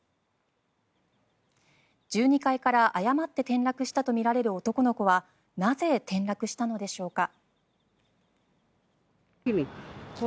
１２階から誤って転落したとみられる男の子はなぜ転落したのでしょうか。